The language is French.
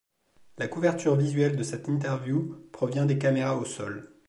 La couverture visuelle de cette interview provient des caméras au sol.